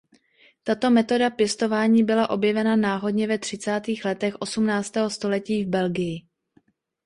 Tato metoda pěstování byla objevena náhodně ve třicátých letech osmnáctého století v Belgii.